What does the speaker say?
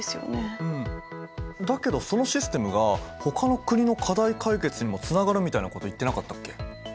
だけどそのシステムがほかの国の課題解決にもつながるみたいなこと言ってなかったっけ？